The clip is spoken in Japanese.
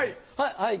はい。